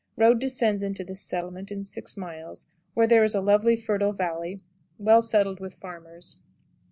Road descends into the settlements in six miles, where there is a lovely fertile valley, well settled with farmers.